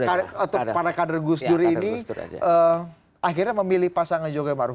atau para kader gusdur ini akhirnya memilih pasangan jogja maruf